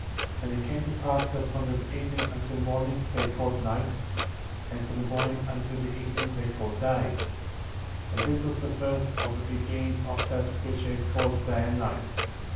And it came to pass that from the evening until morning they called night; and from the morning until the evening they called day; and this was the first, or the beginning, of that which they called day and night.